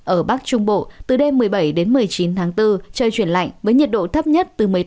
ở bắc trung bộ từ đêm một mươi bảy đến một mươi chín tháng bốn trời chuyển lạnh với nhiệt độ thấp nhất từ